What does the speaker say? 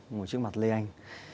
ngồi trước mặt lê anh